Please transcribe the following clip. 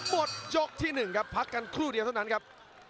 หมดยกที่๑ครับพักกันครู่เดียวเท่านั้นครับ